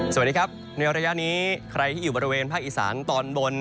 สวัสดีครับในระยะนี้ใครที่อยู่บริเวณภาคอีสานตอนบน